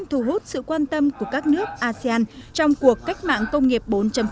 thu hút sự quan tâm của các nước asean trong cuộc cách mạng công nghiệp bốn